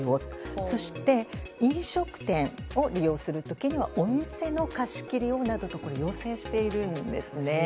そして飲食店を利用するときにはお店の貸し切りなどを要請しているんですね。